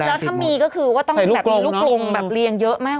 แล้วถ้ามีก็คือว่าต้องแบบมีลูกลงแบบเรียงเยอะมาก